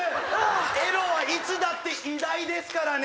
エロはいつだって偉大ですからね。